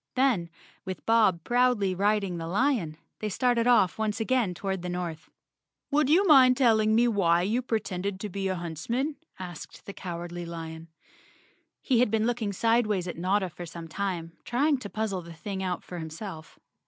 Then, with Bob proudly riding the lion, they started off once again toward the north. "Would you mind telling me why you pretended to be a huntsman?" asked the Cowardly lion. He had been looking sideways at Notta for some time, trying to puzzle the thing out for himself.